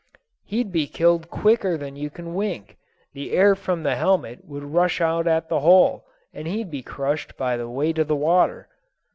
"He'd be killed quicker than you can wink. The air from the helmet would rush out at the hole, and he'd be crushed by the weight of the water."